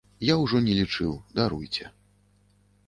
Я ўжо не лічыў, даруйце.